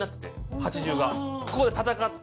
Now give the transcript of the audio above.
ここで戦って。